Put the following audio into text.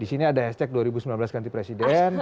disini ada hashtag dua ribu sembilan belas ganti presiden